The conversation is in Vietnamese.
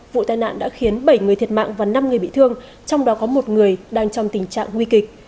vụ tai nạn đã khiến bảy người thiệt mạng và năm người bị thương trong đó có một người đang trong tình trạng nguy kịch